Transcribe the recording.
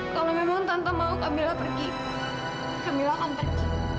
kalau memang tanpa mau kamila pergi kamila akan pergi